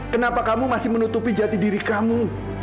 kenapa kamu masih menutupi jati diri kamu